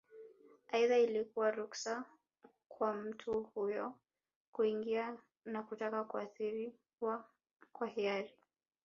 Aidha ilikuwa ruksa kwa mtu huyo kuingia na kutaka kutahiriwa kwa hiari